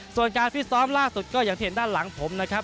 ส่วนการฟิตซ้อมล่าสุดก็อย่างที่เห็นด้านหลังผมนะครับ